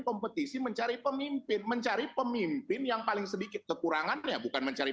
kompetisi mencari pemimpin mencari pemimpin yang paling sedikit kekurangannya bukan mencari